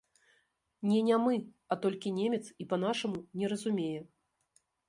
Не нямы, а толькі немец і па-нашаму не разумее.